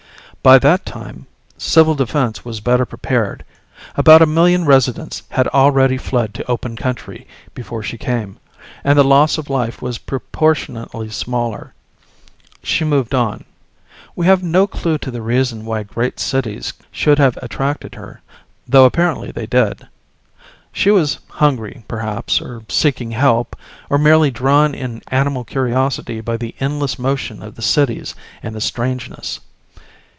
By that time Civil Defense was better prepared. About a million residents had already fled to open country before she came, and the loss of life was proportionately smaller. She moved on. We have no clue to the reason why great cities should have attracted her, though apparently they did. She was hungry perhaps, or seeking help, or merely drawn in animal curiosity by the endless motion of the cities and the strangeness.